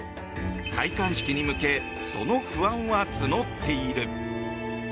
戴冠式に向けその不安は募っている。